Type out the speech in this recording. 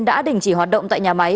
đã đình chỉ hoạt động tại nhà máy